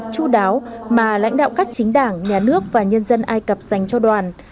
chú đáo mà lãnh đạo các chính đảng nhà nước và nhân dân ai cập dành cho đoàn